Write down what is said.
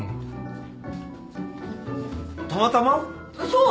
そう。